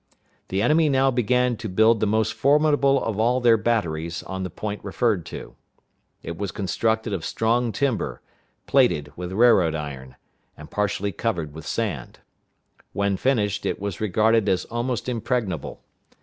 The enemy now began to build the most formidable of all their batteries on the point referred to. It was constructed of strong timber, plated with railroad iron, and partially covered with sand. When finished, it was regarded as almost impregnable.